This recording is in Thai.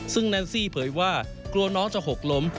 ซึ่งแนนซี่เผยว่ากลัวน้องจะหกล้ม